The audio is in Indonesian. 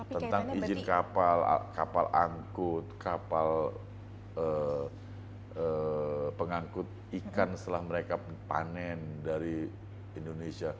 tentang izin kapal kapal angkut kapal pengangkut ikan setelah mereka panen dari indonesia